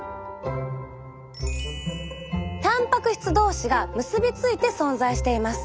たんぱく質同士が結びついて存在しています。